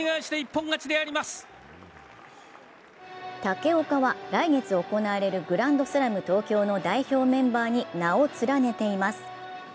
武岡は来月行われるグランドスラム東京の代表メンバーに名を連ねています。